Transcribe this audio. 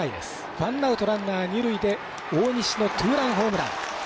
ワンアウト、ランナー、二塁で大西のツーランホームラン。